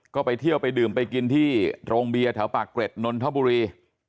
ก็ไปเที่ยวไปดื่มไปกินที่โรงเบียร์แถวปากเกร็ดนนทบุรี